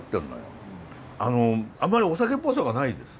あのあんまりお酒っぽさがないです。